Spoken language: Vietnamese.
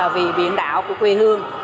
vì biển đảo của quê hương